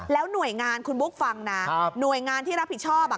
แล้วหน่วยงานคุณบุ๊กฟังน่ะครับหน่วยงานที่รับผิดชอบอ่ะ